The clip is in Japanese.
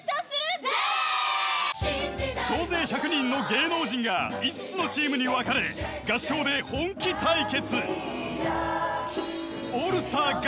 ［総勢１００人の芸能人が５つのチームに分かれ合唱で本気対決］